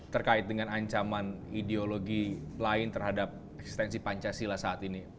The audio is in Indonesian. terkait dengan ancaman ideologi lain terhadap eksistensi pancasila saat ini